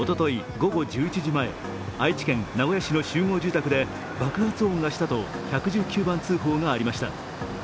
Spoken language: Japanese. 午後１１時前愛知県名古屋市の集合住宅で爆発音がしたと１１９番通報がありました。